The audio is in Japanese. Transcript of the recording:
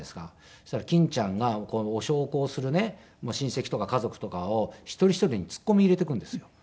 そしたら欽ちゃんがお焼香をする親戚とか家族とかを一人一人にツッコミ入れていくんですよ。